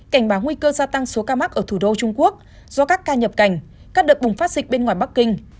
cảnh báo nguy cơ gia tăng số ca mắc ở thủ đô trung quốc do các ca nhập cảnh các đợt bùng phát dịch bên ngoài bắc kinh